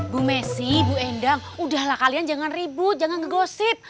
bu messi bu endang udahlah kalian jangan ribut jangan ngegosip